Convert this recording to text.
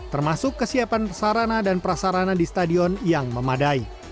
termasuk kesiapan sarana dan prasarana di stadion yang memadai